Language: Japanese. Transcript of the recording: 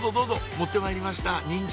持ってまいりましたニンジン